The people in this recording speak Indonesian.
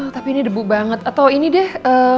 tapi ini debu banget atau ini deh